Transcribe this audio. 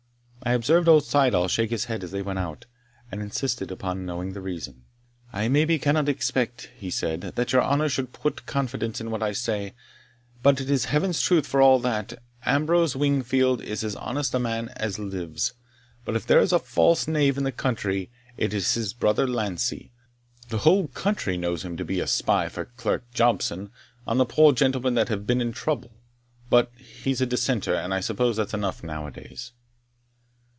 I observed old Syddall shake his head as they went out, and insisted upon knowing the reason. "I maybe cannot expect," he said, "that your honour should put confidence in what I say, but it is Heaven's truth for all that Ambrose Wingfield is as honest a man as lives, but if there is a false knave in the country, it is his brother Lancie; the whole country knows him to be a spy for Clerk Jobson on the poor gentlemen that have been in trouble But he's a dissenter, and I suppose that's enough now a days."